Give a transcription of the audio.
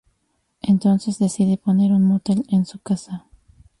Entonces, decide poner un motel en su casa.